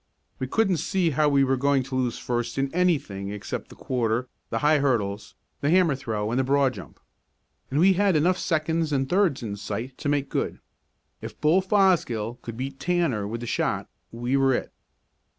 We couldn't see how we were to lose first in anything except the quarter, the high hurdles, the hammer throw and the broad jump. And we had enough seconds and thirds in sight to make good. If Bull Fosgill could beat Tanner with the shot we were it.